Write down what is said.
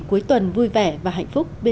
cuối tuần vui vẻ và hạnh phúc bên gia đình